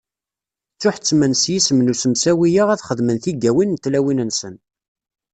Ttuḥettmen s yisem n usemsawi-a ad xedmen tigawin n tlawin-nsen.